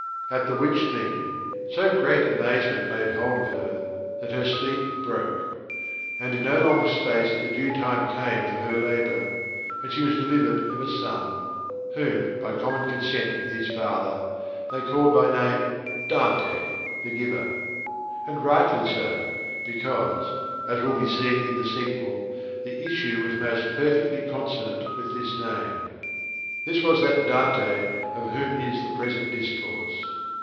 At the which thing, so great amazement laid hold of her that her sleep broke ; and in no long space the due time came for her labour, and she was delivered of a son, whom by common consent with his father, they called by name Dante [the Giver]; and rightly so, because, as will be seen in the sequel, the issue was most perfectly consonant with this name. This was that Dante of whom is the present discourse.